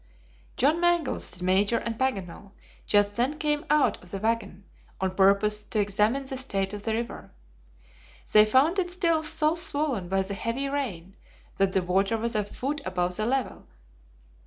John Mangles, the Major, and Paganel just then came out of the wagon on purpose to examine the state of the river. They found it still so swollen by the heavy rain that the water was a foot above the level.